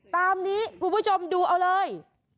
ตามนี้คุณผู้ชมดูเอาเลย